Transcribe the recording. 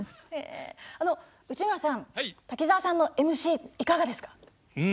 内村さん滝沢さんのＭＣはいかがですか？